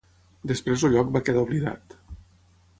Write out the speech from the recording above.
Després el lloc va quedar oblidat.